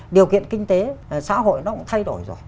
điều kiện kinh tế xã hội nó cũng thay đổi rồi